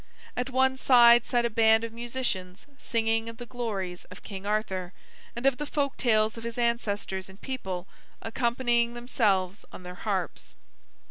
At one side sat a band of musicians singing of the glories of King Arthur, and of the folk tales of his ancestors and people, accompanying themselves on their harps.